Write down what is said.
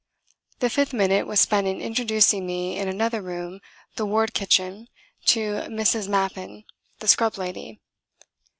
The fifth minute was spent in introducing me, in another room, the ward kitchen, to Mrs. Mappin the scrub lady.